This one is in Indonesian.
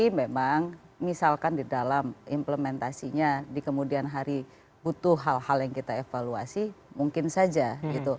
tapi memang misalkan di dalam implementasinya di kemudian hari butuh hal hal yang kita evaluasi mungkin saja gitu